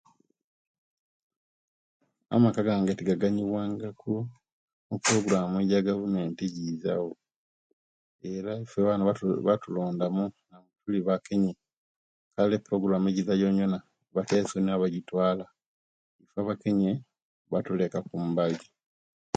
Amaka gange tigaganyirwangaku eprograamu ejegavument ejizawo era iffe wanu batubatulondamu mbu tuli Bakenye, kale eprograamu ejisa yoyona Bateeso nibo bajitwaala, iffe Abakenye batuleka kumbali.